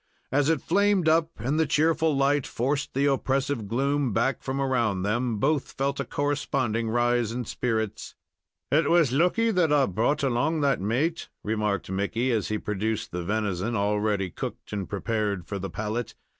As it flamed up and the cheerful light forced the oppressive gloom back from around them, both felt a corresponding rise in spirits. "It was lucky that I brought along that maat," remarked Mickey, as he produced the venison, already cooked and prepared for the palate.